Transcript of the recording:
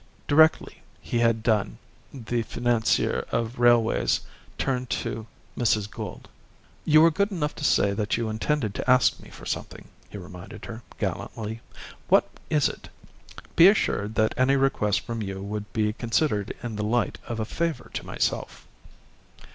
Directly he had done, the financier of railways turned to Mrs. Gould "You were good enough to say that you intended to ask me for something," he reminded her, gallantly. "What is it? Be assured that any request from you would be considered in the light of a favour to myself."